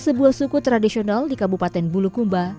sebuah suku tradisional di kabupaten bulukumba